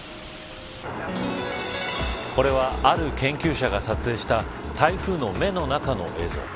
これはある研究者が撮影した台風の目の中の映像。